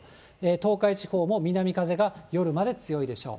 東海地方も南風が夜まで強いでしょう。